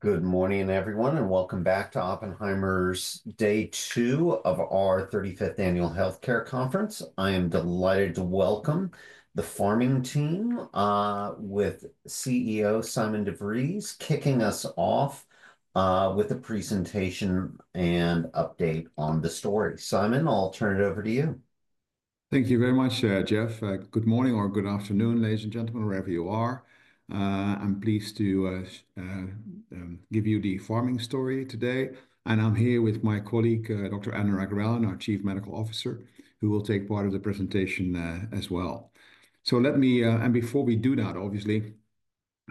Good morning, everyone, and welcome back to Oppenheimer's day two of our 35th Annual Healthcare Conference. I am delighted to welcome the Pharming team, with CEO Sijmen de Vries, kicking us off, with a presentation and update on the story. Sijmen, I'll turn it over to you. Thank you very much, Jeff. Good morning or good afternoon, ladies and gentlemen, wherever you are. I'm pleased to give you the Pharming story today, and I'm here with my colleague, Dr. Anurag Relan, our Chief Medical Officer, who will take part of the presentation, as well. Before we do that, obviously,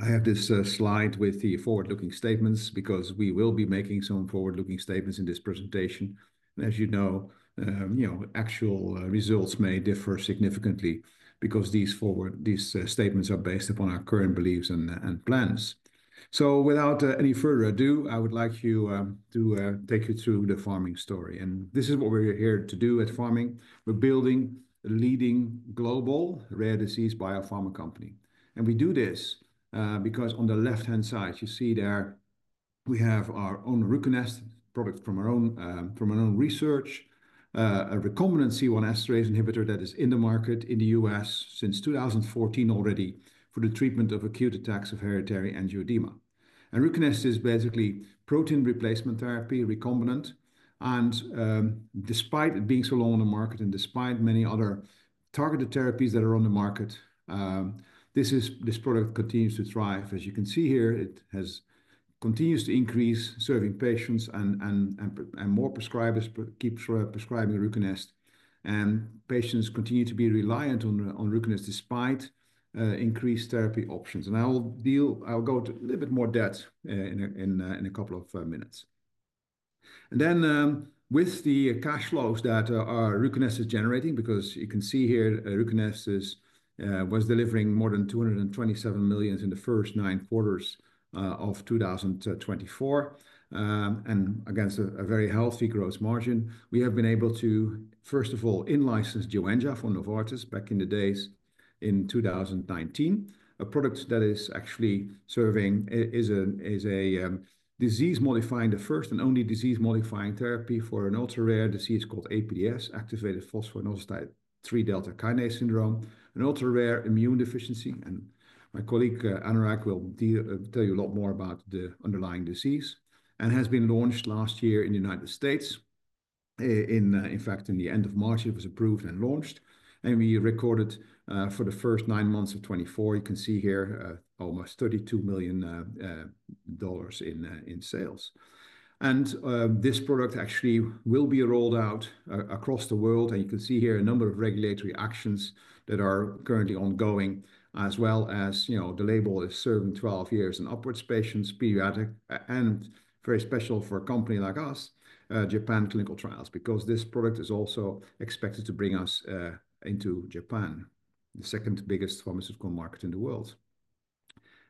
I have this slide with the forward-looking statements because we will be making some forward-looking statements in this presentation. As you know, you know, actual results may differ significantly because these forward-looking statements are based upon our current beliefs and plans. Without any further ado, I would like to take you through the Pharming story. This is what we're here to do at Pharming. We're building a leading global rare disease biopharma company. And we do this, because on the left-hand side, you see there, we have our own RUCONEST product from our own research, a recombinant C1 esterase inhibitor that is in the market in the U.S. since 2014 already for the treatment of acute attacks of hereditary angioedema. And RUCONEST is basically protein replacement therapy, recombinant. And, despite it being so long on the market and despite many other targeted therapies that are on the market, this product continues to thrive. As you can see here, it continues to increase, serving patients and more prescribers keep prescribing RUCONEST. And patients continue to be reliant on RUCONEST despite increased therapy options. And I'll go to a little bit more depth in a couple of minutes. With the cash flows that RUCONEST is generating, because you can see here, RUCONEST is delivering more than $227 million in the first nine quarters of 2024, and against a very healthy gross margin, we have been able to, first of all, in-license Joenja from Novartis back in the days in 2019, a product that is actually serving, is a disease-modifying, the first and only disease-modifying therapy for an ultra-rare disease called APDS, activated phosphoinositide 3-kinase delta syndrome, an ultra-rare immune deficiency. My colleague, Anurag, will tell you a lot more about the underlying disease. It has been launched last year in the United States. In fact, in the end of March, it was approved and launched. We recorded, for the first nine months of 2024, you can see here, almost $32 million in sales. This product actually will be rolled out across the world. You can see here a number of regulatory actions that are currently ongoing, as well as, you know, the label is serving 12 years and upwards patients, pediatric, and very special for a company like us, Japan clinical trials, because this product is also expected to bring us into Japan, the second biggest pharmaceutical market in the world.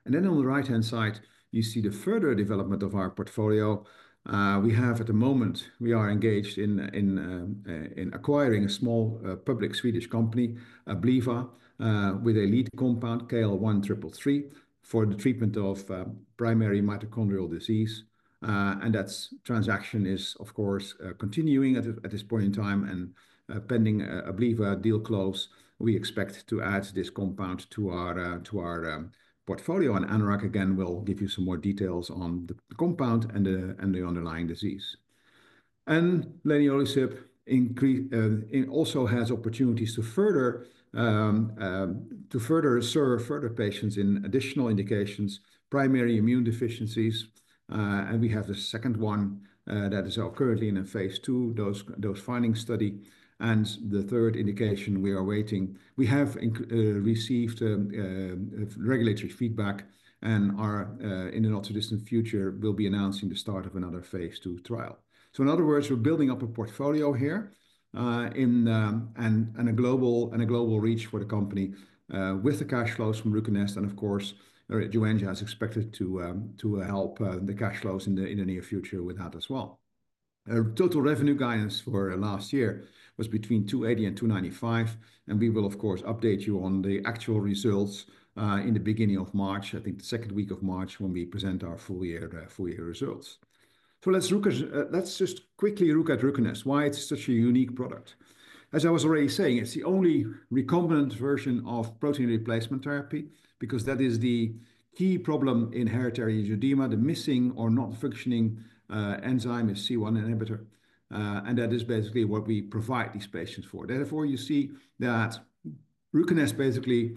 On the right-hand side, you see the further development of our portfolio. We have at the moment, we are engaged in acquiring a small, public Swedish company, Abliva, with a lead compound KL1333 for the treatment of primary mitochondrial disease. That transaction is, of course, continuing at this point in time, and pending an Abliva deal close. We expect to add this compound to our portfolio. Anurag, again, will give you some more details on the compound and the underlying disease. Leniolisib also has opportunities to further serve patients in additional indications, primary immunodeficiencies. We have the second one that is currently in a phase II dose-finding study. The third indication, we have received regulatory feedback and are, in the not-too-distant future, to announce the start of another phase II trial. So in other words, we're building up a portfolio here and a global reach for the company, with the cash flows from RUCONEST. Of course, Joenja is expected to help the cash flows in the near future with that as well. Total revenue guidance for last year was between 280 and 295. We will, of course, update you on the actual results in the beginning of March, I think the second week of March, when we present our full year results. So let's just quickly look at RUCONEST, why it's such a unique product. As I was already saying, it's the only recombinant version of protein replacement therapy because that is the key problem in hereditary angioedema, the missing or non-functioning enzyme is C1 inhibitor, and that is basically what we provide these patients for. Therefore, you see that RUCONEST basically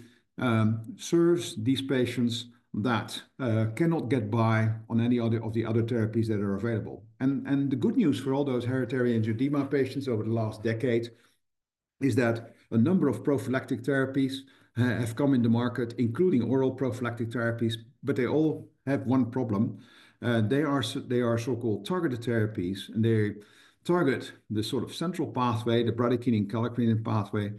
serves these patients that cannot get by on any other of the therapies that are available. The good news for all those hereditary angioedema patients over the last decade is that a number of prophylactic therapies have come in the market, including oral prophylactic therapies, but they all have one problem. They are so-called targeted therapies, and they target the sort of central pathway, the bradykinin-kallikrein pathway,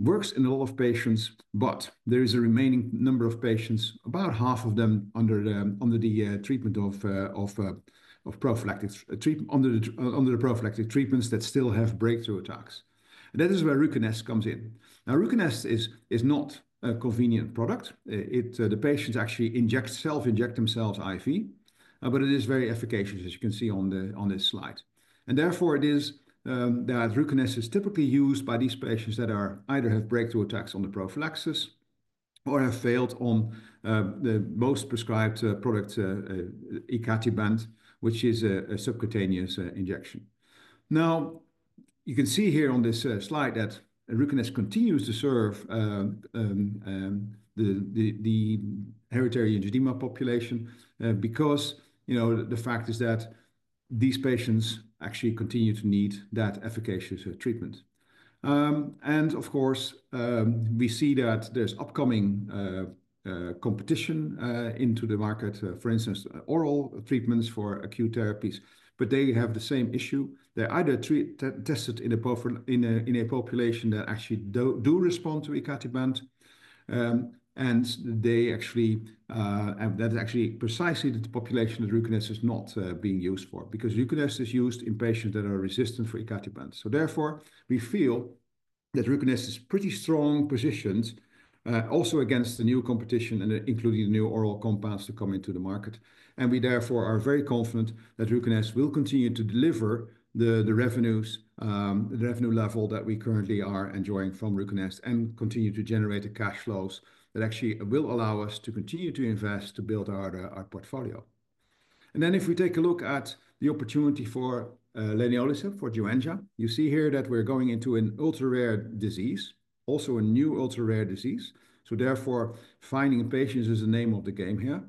works in a lot of patients, but there is a remaining number of patients, about half of them under the treatment of prophylactic treatment under the prophylactic treatments that still have breakthrough attacks. And that is where RUCONEST comes in. Now, RUCONEST is not a convenient product. The patients actually self-inject themselves IV, but it is very efficacious, as you can see on this slide. And therefore it is that RUCONEST is typically used by these patients that either have breakthrough attacks on the prophylaxis or have failed on the most prescribed product, icatibant, which is a subcutaneous injection. Now, you can see here on this slide that RUCONEST continues to serve the hereditary angioedema population, because, you know, the fact is that these patients actually continue to need that efficacious treatment. And of course, we see that there's upcoming competition into the market, for instance, oral treatments for acute therapies, but they have the same issue. They're either tested in a population that actually do respond to icatibant. And they actually, and that's actually precisely the population that RUCONEST is not being used for because RUCONEST is used in patients that are resistant for icatibant. So therefore, we feel that RUCONEST is pretty strong positioned, also against the new competition and including the new oral compounds to come into the market. And we therefore are very confident that RUCONEST will continue to deliver the, the revenues, the revenue level that we currently are enjoying from RUCONEST and continue to generate the cash flows that actually will allow us to continue to invest to build our, our portfolio. And then if we take a look at the opportunity for leniolisib for Joenja, you see here that we're going into an ultra-rare disease, also a new ultra-rare disease. So therefore, finding patients is the name of the game here.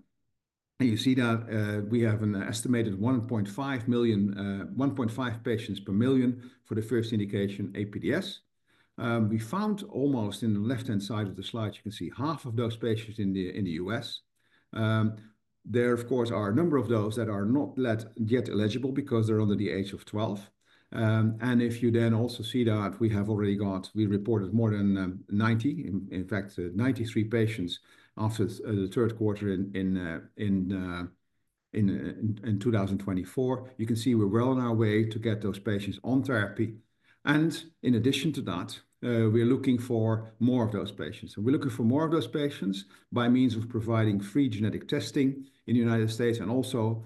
And you see that we have an estimated 1.5 million, 1.5 patients per million for the first indication APDS. We found almost in the left-hand side of the slide, you can see half of those patients in the, in the U.S. There, of course, are a number of those that are not yet eligible because they're under the age of 12. And if you then also see that we have already got, we reported more than 90, in fact, 93 patients after the third quarter in 2024. You can see we're well on our way to get those patients on therapy. And in addition to that, we're looking for more of those patients. And we're looking for more of those patients by means of providing free genetic testing in the United States and also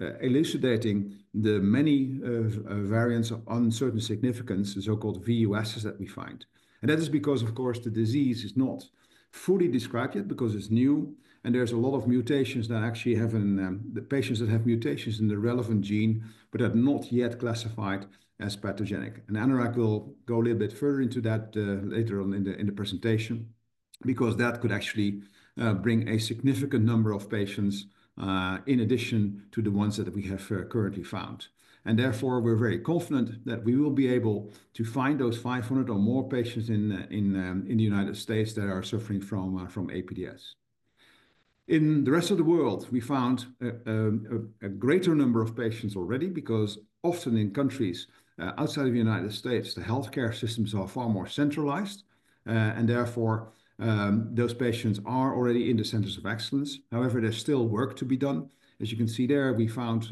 elucidating the many variants of uncertain significance, the so-called VUSs that we find. And that is because, of course, the disease is not fully described yet because it's new and there's a lot of mutations that actually have an, the patients that have mutations in the relevant gene, but are not yet classified as pathogenic. Anurag will go a little bit further into that later on in the presentation because that could actually bring a significant number of patients in addition to the ones that we have currently found. Therefore, we're very confident that we will be able to find those 500 or more patients in the United States that are suffering from APDS. In the rest of the world, we found a greater number of patients already because often in countries outside of the United States, the healthcare systems are far more centralized, and therefore those patients are already in the centers of excellence. However, there's still work to be done. As you can see there, we found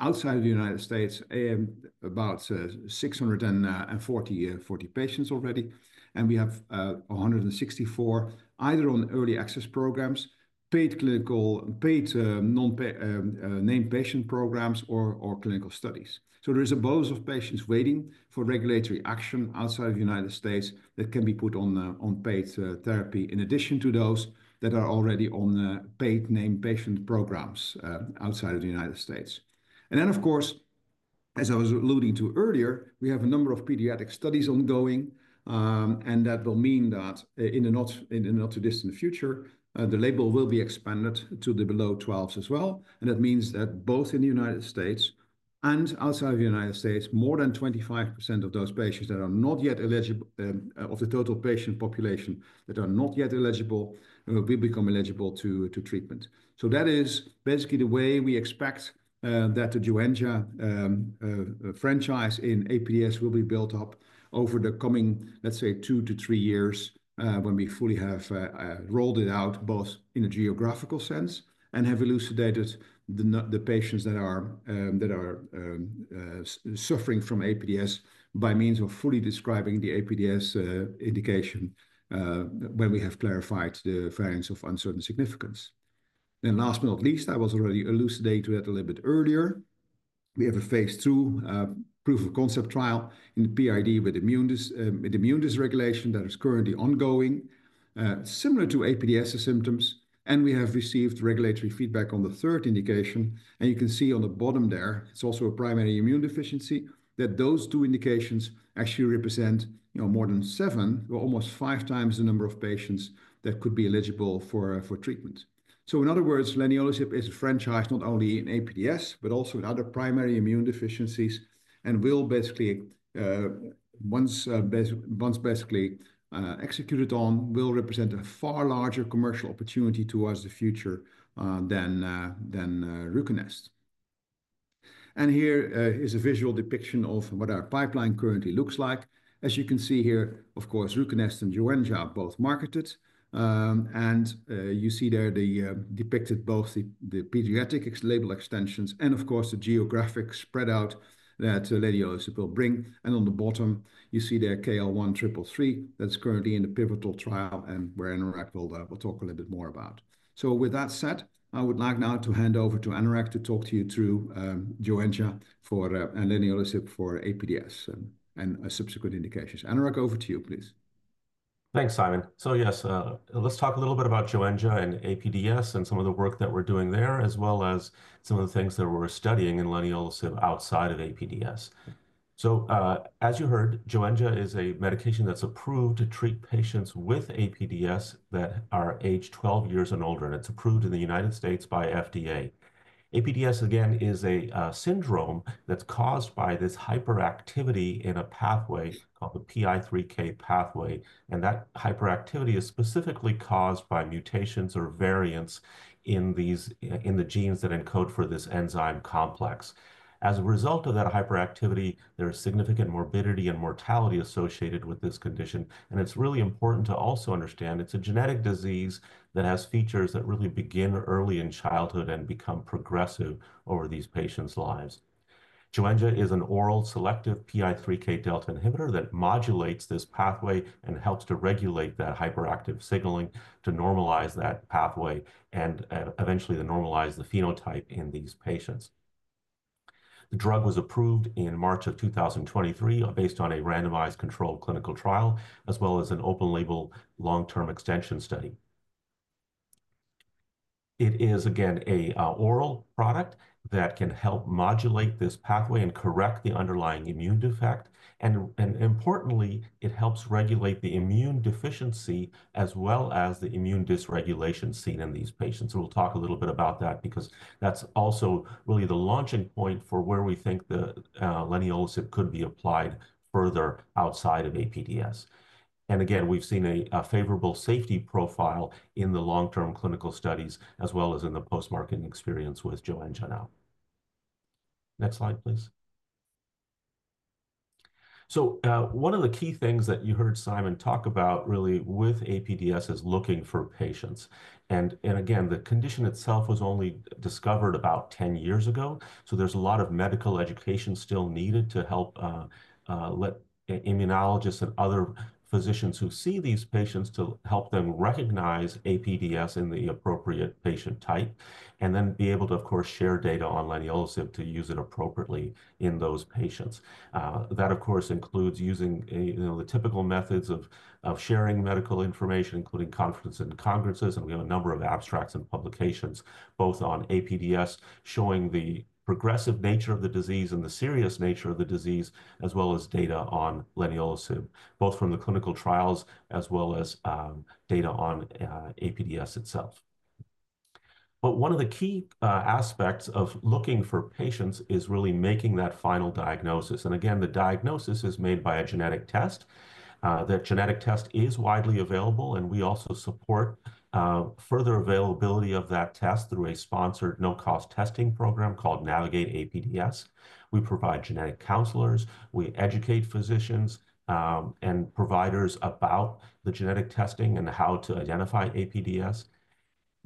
outside of the United States about 640 patients already. We have 164 either on early access programs, paid clinical, paid non-named patient programs or clinical studies. There is a bolus of patients waiting for regulatory action outside of the United States that can be put on paid therapy in addition to those that are already on paid named patient programs outside of the United States. Then, of course, as I was alluding to earlier, we have a number of pediatric studies ongoing, and that will mean that in the not-too-distant future, the label will be expanded to below 12 as well. That means that both in the United States and outside of the United States, more than 25% of those patients that are not yet eligible of the total patient population will become eligible to treatment. That is basically the way we expect that the Joenja franchise in APDS will be built up over the coming, let's say, 2 years-3 years, when we fully have rolled it out both in a geographical sense and have elucidated the patients that are suffering from APDS by means of fully describing the APDS indication, when we have clarified the variant of uncertain significance. And last but not least, I was already elucidating to that a little bit earlier. We have a phase II proof of concept trial in the PID with immune dysregulation that is currently ongoing, similar to APDS symptoms. And we have received regulatory feedback on the third indication. You can see on the bottom there, it's also a primary immunodeficiency that those two indications actually represent, you know, more than seven or almost 5x the number of patients that could be eligible for treatment. So in other words, leniolisib is a franchise not only in APDS, but also in other primary immunodeficiencies and will basically, once executed on, will represent a far larger commercial opportunity towards the future, than RUCONEST. Here is a visual depiction of what our pipeline currently looks like. As you can see here, of course, RUCONEST and Joenja are both marketed, and you see there the depicted both the pediatric label extensions and of course the geographic spread out that leniolisib will bring. On the bottom, you see there KL1333 that's currently in the pivotal trial and where Anurag will talk a little bit more about. With that said, I would like now to hand over to Anurag to talk to you through Joenja for, and leniolisib for APDS and a subsequent indications. Anurag, over to you, please. Thanks, Sijmen. Yes, let's talk a little bit about Joenja and APDS and some of the work that we're doing there, as well as some of the things that we're studying in leniolisib outside of APDS. As you heard, Joenja is a medication that's approved to treat patients with APDS that are age 12 years and older. It's approved in the United States by FDA. APDS, again, is a syndrome that's caused by this hyperactivity in a pathway called the PI3K pathway. That hyperactivity is specifically caused by mutations or variants in the genes that encode for this enzyme complex. As a result of that hyperactivity, there is significant morbidity and mortality associated with this condition. It's really important to also understand it's a genetic disease that has features that really begin early in childhood and become progressive over these patients' lives. Joenja is an oral selective PI3K delta inhibitor that modulates this pathway and helps to regulate that hyperactive signaling to normalize that pathway and eventually to normalize the phenotype in these patients. The drug was approved in March of 2023 based on a randomized controlled clinical trial, as well as an open label long-term extension study. It is again an oral product that can help modulate this pathway and correct the underlying immune defect. Importantly, it helps regulate the immune deficiency as well as the immune dysregulation seen in these patients. We'll talk a little bit about that because that's also really the launching point for where we think the leniolisib could be applied further outside of APDS. Again, we've seen a favorable safety profile in the long-term clinical studies as well as in the post-marketing experience with Joenja now. Next slide, please. One of the key things that you heard Sijmen talk about really with APDS is looking for patients. Again, the condition itself was only discovered about 10 years ago. So there's a lot of medical education still needed to help immunologists and other physicians who see these patients to help them recognize APDS in the appropriate patient type and then be able to, of course, share data on leniolisib to use it appropriately in those patients. That of course includes using, you know, the typical methods of sharing medical information, including conferences. And we have a number of abstracts and publications both on APDS showing the progressive nature of the disease and the serious nature of the disease, as well as data on leniolisib both from the clinical trials as well as data on APDS itself. But one of the key aspects of looking for patients is really making that final diagnosis. And again, the diagnosis is made by a genetic test. That genetic test is widely available and we also support further availability of that test through a sponsored no-cost testing program called navigateAPDS. We provide genetic counselors, we educate physicians and providers about the genetic testing and how to identify APDS.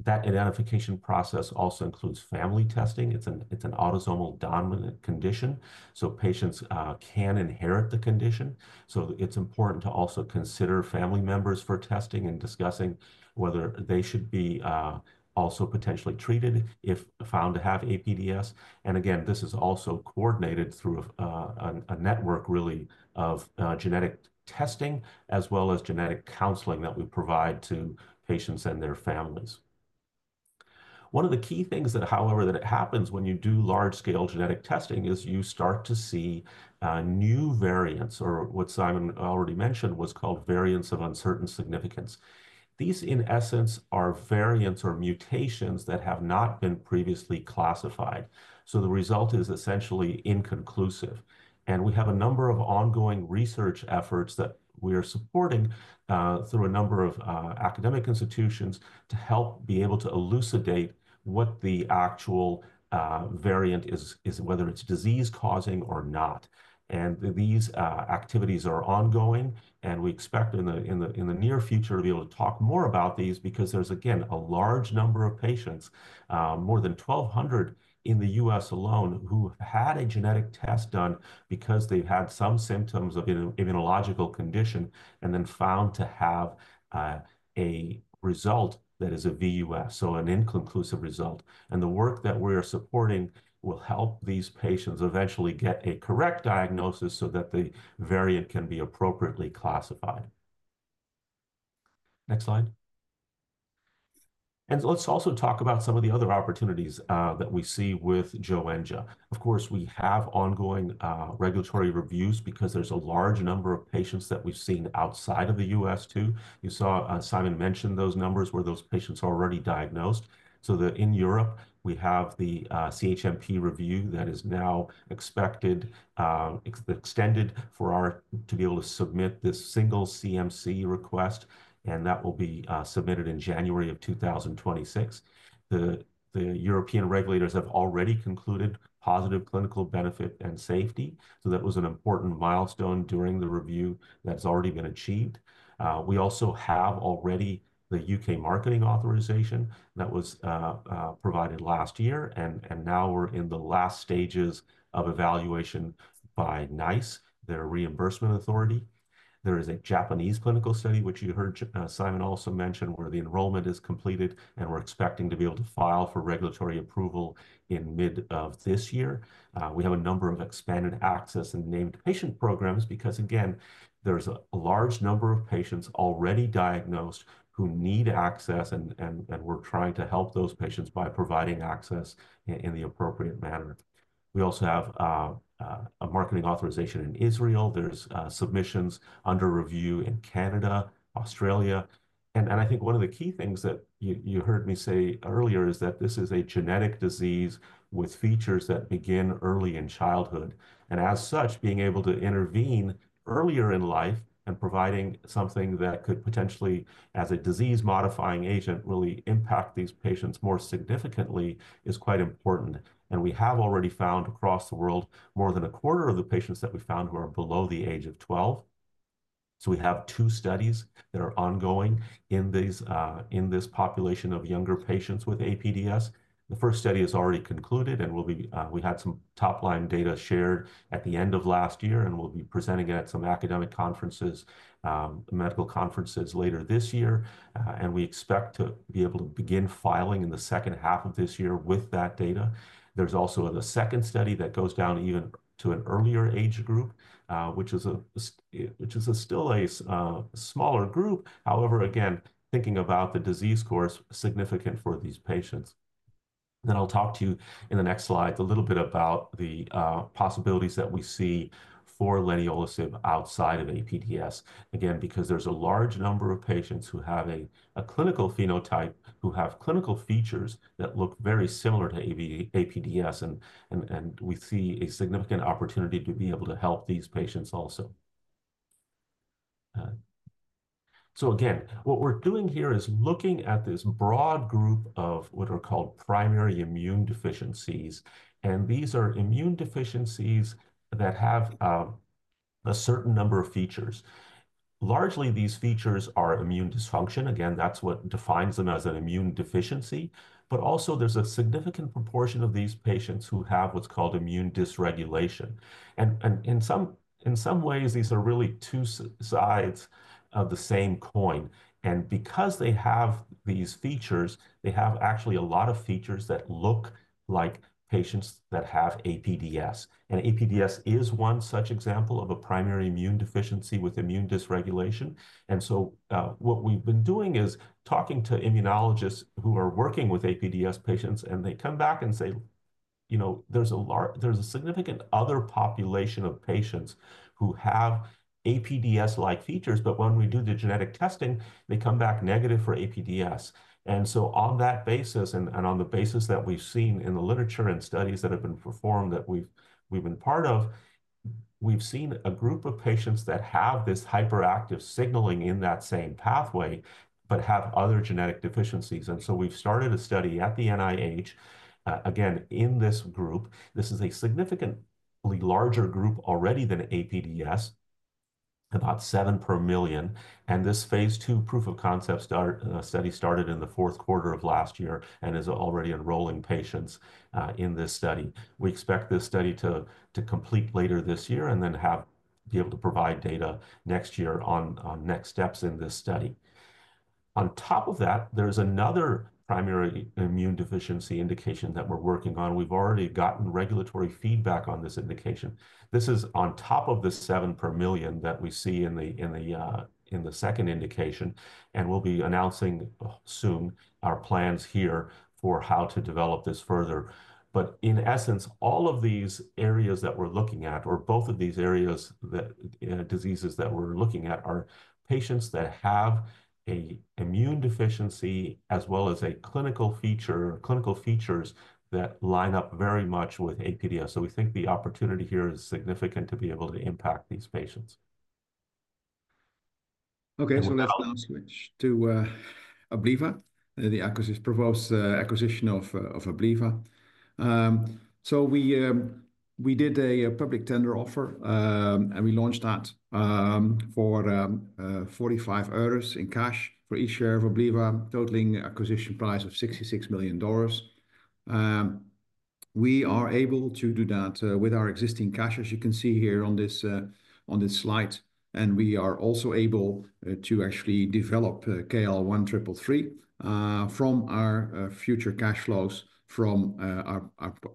That identification process also includes family testing. It's an autosomal dominant condition. So patients can inherit the condition. So it's important to also consider family members for testing and discussing whether they should be also potentially treated if found to have APDS. And again, this is also coordinated through a network really of genetic testing as well as genetic counseling that we provide to patients and their families. One of the key things, however, that happens when you do large-scale genetic testing is you start to see new variants or what Sijmen already mentioned was called variants of uncertain significance. These in essence are variants or mutations that have not been previously classified, so the result is essentially inconclusive. And we have a number of ongoing research efforts that we are supporting, through a number of academic institutions to help be able to elucidate what the actual variant is, whether it's disease-causing or not, and these activities are ongoing and we expect in the near future to be able to talk more about these because there's again a large number of patients, more than 1,200 in the U.S. alone who had a genetic test done because they've had some symptoms of an immunological condition and then found to have a result that is a VUS, so an inconclusive result, and the work that we are supporting will help these patients eventually get a correct diagnosis so that the variant can be appropriately classified. Next slide. Let's also talk about some of the other opportunities that we see with Joenja. Of course, we have ongoing regulatory reviews because there's a large number of patients that we've seen outside of the U.S. too. You saw Sijmen mentioned those numbers where those patients are already diagnosed. In Europe, we have the CHMP review that is now expected extended for us to be able to submit this single CMC request. That will be submitted in January of 2026. The European regulators have already concluded positive clinical benefit and safety. That was an important milestone during the review that's already been achieved. We also have already the U.K. marketing authorization that was provided last year and now we're in the last stages of evaluation by NICE, their reimbursement authority. There is a Japanese clinical study, which you heard, Sijmen also mentioned where the enrollment is completed and we're expecting to be able to file for regulatory approval in mid of this year. We have a number of expanded access and named patient programs because again, there's a large number of patients already diagnosed who need access and we're trying to help those patients by providing access in the appropriate manner. We also have a marketing authorization in Israel. There's submissions under review in Canada, Australia. I think one of the key things that you heard me say earlier is that this is a genetic disease with features that begin early in childhood. As such, being able to intervene earlier in life and providing something that could potentially, as a disease modifying agent, really impact these patients more significantly is quite important. We have already found across the world more than a quarter of the patients that we found who are below the age of 12. We have two studies that are ongoing in this population of younger patients with APDS. The first study is already concluded and we had some top line data shared at the end of last year and we'll be presenting it at some academic conferences, medical conferences later this year. We expect to be able to begin filing in the second half of this year with that data. There's also a second study that goes down even to an earlier age group, which is still a smaller group. However, again, thinking about the disease course significant for these patients. Then I'll talk to you in the next slide a little bit about the possibilities that we see for leniolisib outside of APDS. Again, because there's a large number of patients who have a clinical phenotype who have clinical features that look very similar to APDS. And we see a significant opportunity to be able to help these patients also. So again, what we're doing here is looking at this broad group of what are called primary immune deficiencies. And these are immune deficiencies that have a certain number of features. Largely, these features are immune dysfunction. Again, that's what defines them as an immune deficiency. But also there's a significant proportion of these patients who have what's called immune dysregulation. And in some ways, these are really two sides of the same coin. Because they have these features, they have actually a lot of features that look like patients that have APDS. APDS is one such example of a primary immune deficiency with immune dysregulation. What we've been doing is talking to immunologists who are working with APDS patients and they come back and say, you know, there's a large, there's a significant population of patients who have APDS-like features, but when we do the genetic testing, they come back negative for APDS. On that basis and on the basis that we've seen in the literature and studies that have been performed that we've been part of, we've seen a group of patients that have this hyperactive signaling in that same pathway, but have other genetic deficiencies. We've started a study at the NIH, again, in this group. This is a significantly larger group already than APDS, about seven per million, and this phase two proof of concept study started in the fourth quarter of last year and is already enrolling patients in this study. We expect this study to complete later this year and then be able to provide data next year on next steps in this study. On top of that, there's another primary immune deficiency indication that we're working on. We've already gotten regulatory feedback on this indication. This is on top of the seven per million that we see in the second indication, and we'll be announcing soon our plans here for how to develop this further. In essence, all of these areas that we're looking at, or both of these areas that, diseases that we're looking at are patients that have an immune deficiency as well as a clinical feature, clinical features that line up very much with APDS. We think the opportunity here is significant to be able to impact these patients. Okay. Let's now switch to Abliva and the acquisition of Abliva. We did a public tender offer, and we launched that for 45 euros in cash for each share of Abliva, totaling acquisition price of $66 million. We are able to do that with our existing cash, as you can see here on this slide. We are also able to actually develop KL1333 from our future cash flows from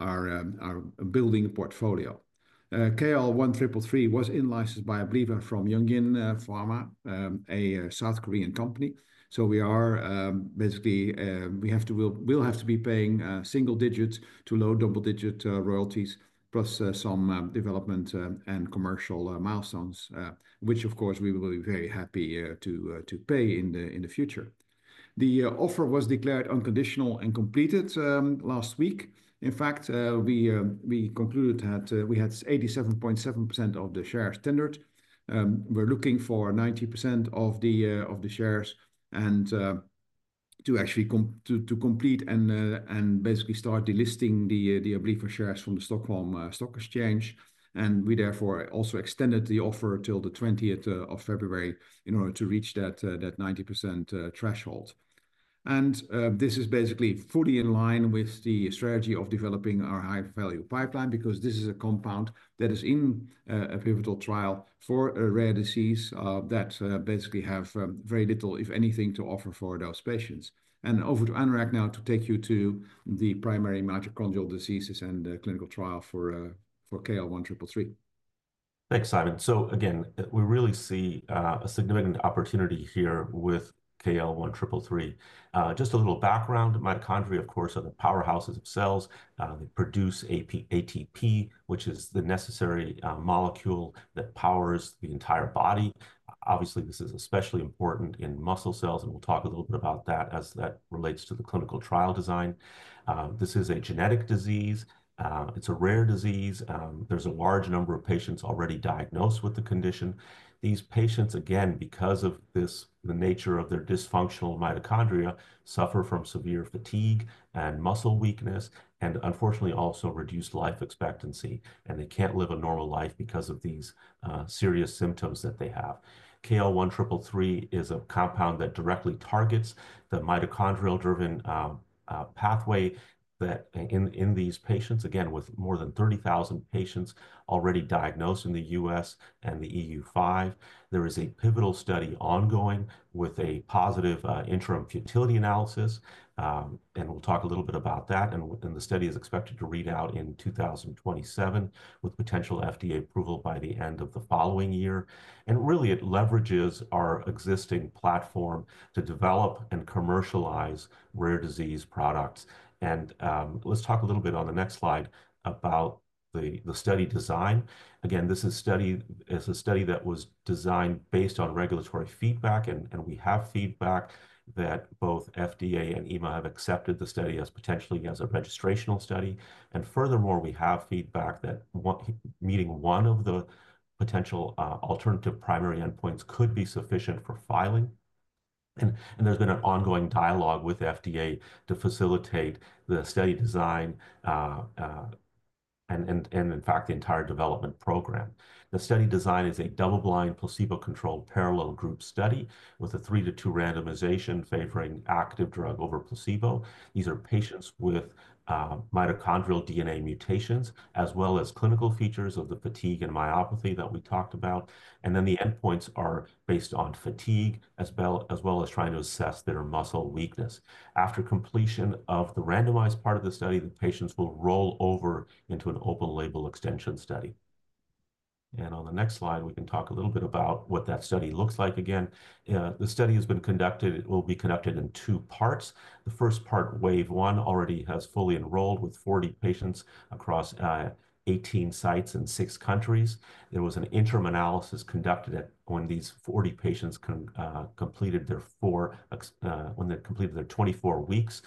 our building portfolio. KL1333 was in-licensed by Abliva from Yungjin Pharm, a South Korean company. So we are basically we have to we'll have to be paying a single digit to low double digit royalties plus some development and commercial milestones, which of course we will be very happy to pay in the future. The offer was declared unconditional and completed last week. In fact, we concluded that we had 87.7% of the shares tendered. We're looking for 90% of the shares and to actually come to complete and basically start delisting the Abliva shares from the Stockholm Stock Exchange. We therefore also extended the offer till the 20th of February in order to reach that 90% threshold. This is basically fully in line with the strategy of developing our high value pipeline because this is a compound that is in a pivotal trial for a rare disease that basically have very little, if anything, to offer for those patients. Over to Anurag now to take you to the primary mitochondrial diseases and the clinical trial for KL1333. Thanks, Sijmen. Again, we really see a significant opportunity here with KL1333. Just a little background, mitochondria, of course, are the powerhouses of cells. They produce ATP, which is the necessary molecule that powers the entire body. Obviously, this is especially important in muscle cells, and we'll talk a little bit about that as that relates to the clinical trial design. This is a genetic disease. It's a rare disease. There's a large number of patients already diagnosed with the condition. These patients, again, because of this, the nature of their dysfunctional mitochondria suffer from severe fatigue and muscle weakness and unfortunately also reduced life expectancy, and they can't live a normal life because of these, serious symptoms that they have. KL1333 is a compound that directly targets the mitochondrial driven pathway that in these patients, again, with more than 30,000 patients already diagnosed in the U.S. and the EU5, there is a pivotal study ongoing with a positive interim futility analysis, and we'll talk a little bit about that, and the study is expected to read out in 2027 with potential FDA approval by the end of the following year, and really, it leverages our existing platform to develop and commercialize rare disease products, and let's talk a little bit on the next slide about the study design. Again, this is a study that was designed based on regulatory feedback. And we have feedback that both FDA and EMA have accepted the study as potentially a registrational study. And furthermore, we have feedback that one of the potential alternative primary endpoints could be sufficient for filing. And there's been an ongoing dialogue with FDA to facilitate the study design, and in fact, the entire development program. The study design is a double-blind placebo-controlled parallel group study with a 3:2 randomization favoring active drug over placebo. These are patients with mitochondrial DNA mutations as well as clinical features of the fatigue and myopathy that we talked about. And then the endpoints are based on fatigue as well as trying to assess their muscle weakness. After completion of the randomized part of the study, the patients will roll over into an open label extension study. And on the next slide, we can talk a little bit about what that study looks like. Again, the study has been conducted, it will be conducted in two parts. The first part, wave one already has fully enrolled with 40 patients across 18 sites in six countries. There was an interim analysis conducted when these 40 patients completed their 24 weeks.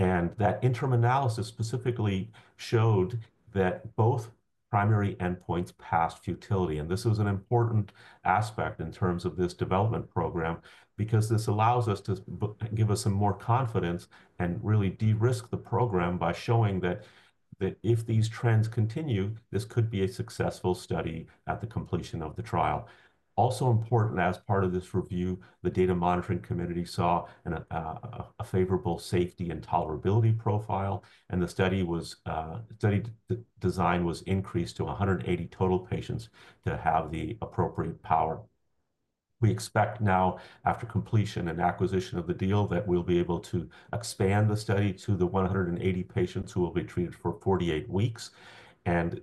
And that interim analysis specifically showed that both primary endpoints passed futility. And this was an important aspect in terms of this development program because this allows us to give us some more confidence and really de-risk the program by showing that if these trends continue, this could be a successful study at the completion of the trial. Also important as part of this review, the data monitoring committee saw a favorable safety and tolerability profile. The study design was increased to 180 total patients to have the appropriate power. We expect now after completion and acquisition of the deal that we'll be able to expand the study to the 180 patients who will be treated for 48 weeks.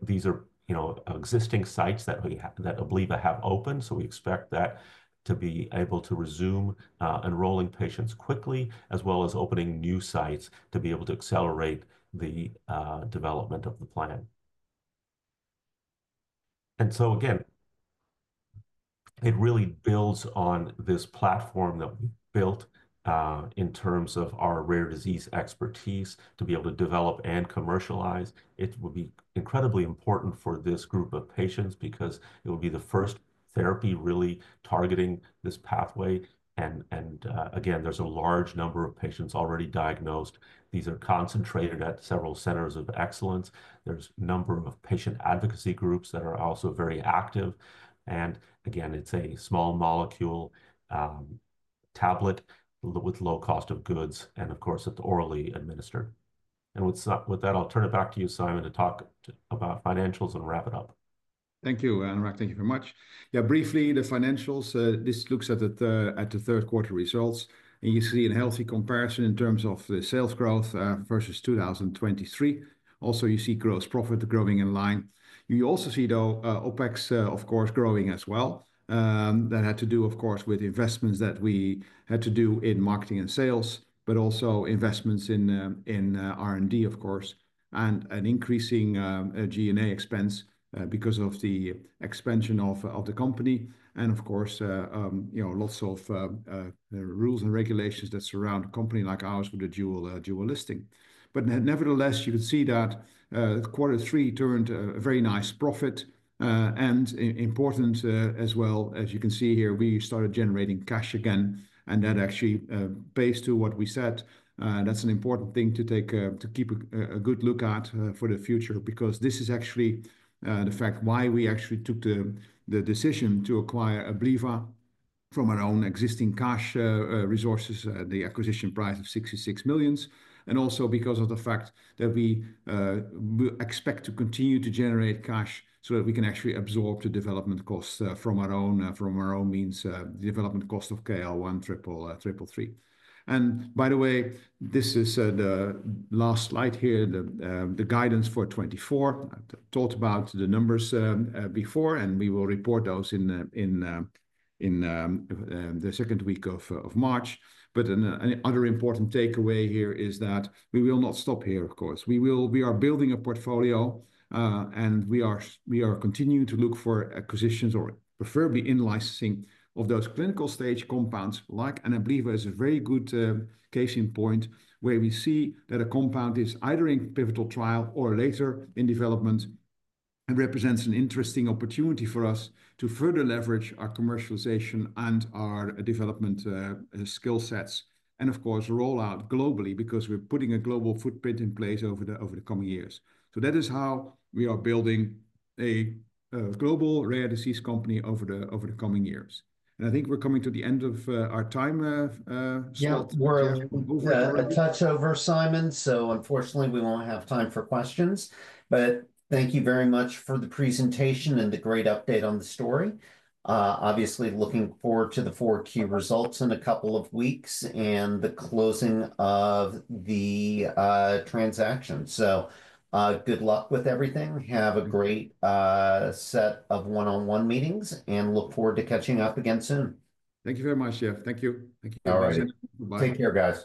These are, you know, existing sites that Abliva have opened. We expect that to be able to resume enrolling patients quickly as well as opening new sites to be able to accelerate the development of the plan. It really builds on this platform that we built in terms of our rare disease expertise to be able to develop and commercialize. It will be incredibly important for this group of patients because it will be the first therapy really targeting this pathway. And again, there's a large number of patients already diagnosed. These are concentrated at several centers of excellence. There's a number of patient advocacy groups that are also very active. And again, it's a small molecule, tablet with low cost of goods and of course it's orally administered. And with that, I'll turn it back to you, Sijmen, to talk about financials and wrap it up. Thank you, Anurag. Thank you very much. Yeah. Briefly, the financials, this looks at the third quarter results. And you see a healthy comparison in terms of the sales growth, versus 2023. Also you see gross profit growing in line. You also see though, OpEx, of course growing as well. That had to do of course with investments that we had to do in marketing and sales, but also investments in R&D of course, and an increasing G&A expense, because of the expansion of the company. And of course, you know, lots of rules and regulations that surround a company like ours with the dual listing. But nevertheless, you could see that quarter three turned a very nice profit, and important, as well as you can see here, we started generating cash again. And that actually pays to what we said. That's an important thing to keep a good look at for the future because this is actually the fact why we actually took the decision to acquire Abliva from our own existing cash resources, the acquisition price of $66 million. And also because of the fact that we expect to continue to generate cash so that we can actually absorb the development costs from our own means, the development cost of KL1333. And by the way, this is the last slide here, the guidance for 2024. I talked about the numbers before, and we will report those in the second week of March. But another important takeaway here is that we will not stop here. Of course, we will. We are building a portfolio, and we are, we are continuing to look for acquisitions or preferably in-licensing of those clinical stage compounds like Abliva is a very good case in point where we see that a compound is either in pivotal trial or later in development and represents an interesting opportunity for us to further leverage our commercialization and our development skill sets. Of course, roll out globally because we're putting a global footprint in place over the, over the coming years. That is how we are building a global rare disease company over the, over the coming years. I think we're coming to the end of our time slot. Yeah, we're over a touch over, Sijmen. Unfortunately, we won't have time for questions, but thank you very much for the presentation and the great update on the story. Obviously looking forward to the 4Q results in a couple of weeks and the closing of the transaction. So, good luck with everything. Have a great set of one-on-one meetings and look forward to catching up again soon. Thank you very much, Jeff. Thank you. Bye. Take care, guys.